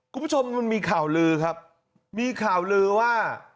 คุณผู้ชมมันมีข่าวลือครับมีข่าวลือว่า